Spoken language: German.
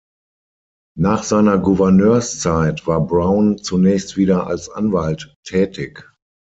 Nach seiner Gouverneurszeit war Brown zunächst wieder als Anwalt tätig.